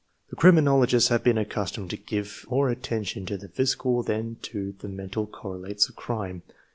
The criminologists have been accustomed to give more at tention to the physical than to the mental correlates of crime.